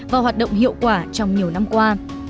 và hoạt động hiệu quả trong nhiều năm qua